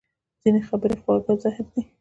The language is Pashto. ځینې خبرې خواږه زهر دي